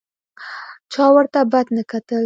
چا ورته بد نه کتل.